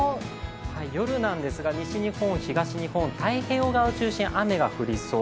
夜ですが、西日本、東日本太平洋側を中心に雨が降りそう。